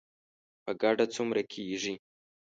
په ګډه څومره کیږي؟